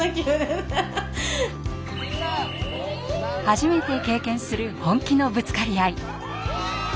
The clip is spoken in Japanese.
初めて経験する本気のぶつかり合い。